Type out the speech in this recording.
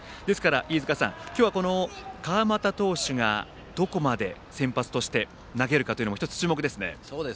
飯塚さん、今日は川又投手がどこまで先発として投げるかというのも１つ注目ですね。